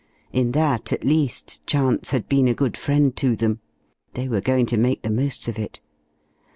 In that, at least, chance had been a good friend to them. They were going to make the most of it.